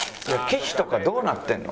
岸とかどうなってるの？